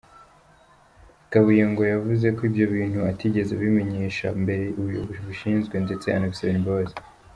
Kabuye ngo yavuze ko ibyo bintu atigeze abimenyesha mbere ubuyobozi bubishinzwe ndetse anabisabira imbabazi.